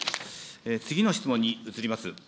次の質問に移ります。